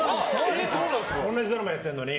同じドラマやってるのに。